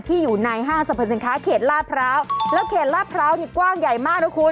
อยู่ในห้างสรรพสินค้าเขตลาดพร้าวแล้วเขตลาดพร้าวนี่กว้างใหญ่มากนะคุณ